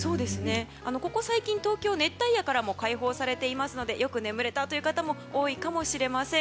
ここ最近、東京熱帯夜からも解放されていますのでよく眠れたという方も多いのかもしれません。